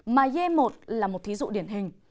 mà y một là một thí dụ điển hình